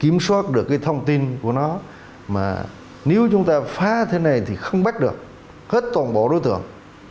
mà nếu chúng ta phá thế này thì không bắt được hết toàn bộ đối tượng